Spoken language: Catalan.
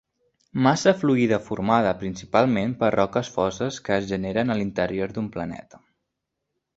Massa fluida formada principalment per roques foses que es genera a l'interior d'un planeta.